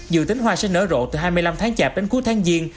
dự tính hoa sẽ nở rộ từ hai mươi năm tháng chạp đến cuối tháng giêng